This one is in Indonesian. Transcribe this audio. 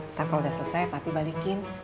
ntar kalau udah selesai tapi balikin